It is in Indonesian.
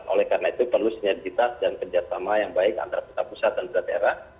oleh karena itu perlu sinergitas dan kerjasama yang baik antara pusat dan pusat daerah